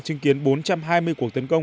chứng kiến bốn trăm hai mươi cuộc tấn công